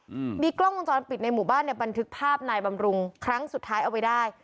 อืมมีกล้องวงจรปิดในหมู่บ้านเนี้ยบันทึกภาพนายบำรุงครั้งสุดท้ายเอาไว้ได้